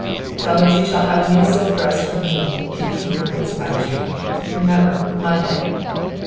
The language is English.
"Tell her she shall have a new silk dress from me, if you keep your wits about you. Remember, Monday!"